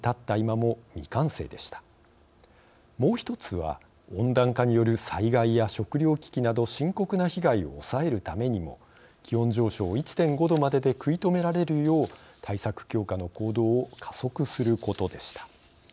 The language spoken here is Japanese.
もう１つは、温暖化による災害や食糧危機など深刻な被害を抑えるためにも気温上昇を１．５℃までで食い止められるよう対策強化の行動を加速することでした。